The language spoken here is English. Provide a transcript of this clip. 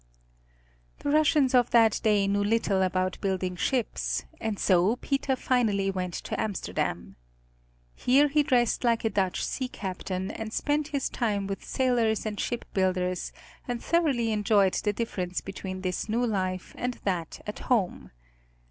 The Russians of that day knew little about building ships, and so Peter finally went to Amsterdam. Here he dressed like a Dutch sea captain and spent his time with sailors and ship builders, and thoroughly enjoyed the difference between this new life and that at home.